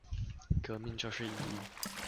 革命就是義務